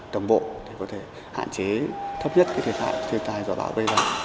tổng bộ có thể hạn chế thấp nhất thiệt hại thiên tai dò bão bây giờ